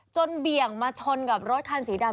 เบี่ยงมาชนกับรถคันสีดำ